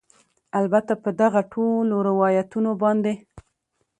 البته په دغه ټولو روایتونو باندې